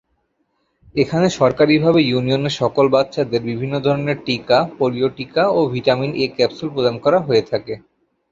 এখানে সরকারীভাবে ইউনিয়নের সকল বাচ্চাদের বিভিন্ন ধরনের টিকা, পোলিও টিকা ও ভিটামিন "এ" ক্যাপসুল প্রদান করা হয়ে থাকে।